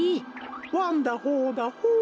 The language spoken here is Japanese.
ワンダホーだホー。